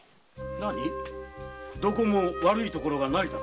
どこも悪いところはない？